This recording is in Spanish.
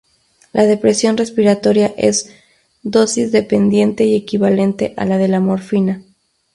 La depresión respiratoria es dosis-dependiente y equivalente a la de la morfina.